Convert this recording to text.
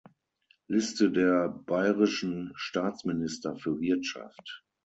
Liste der Bayerischen Staatsminister für Wirtschaft